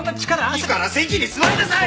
いいから席に座りなさい！